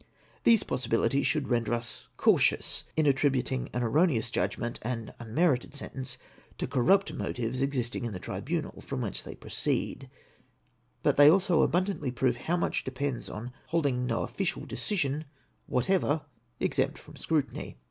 These possibilities should render us cautious in attributing an erroneous j udgment and unmerited sentence to corrupt motives existing in the tribunal from whence they proceed ; but they also abundantly prove how much depends on holding no official decision "whatever exempt from scrutiny.